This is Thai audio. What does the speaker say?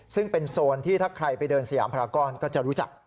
ซึ่งเป็นโซนที่ถ้าใครไปเดินสยามพรากรก็จะรู้จัก